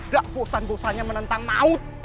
gak bosan bosannya menentang maut